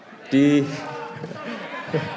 kedua kenapa saya milih psi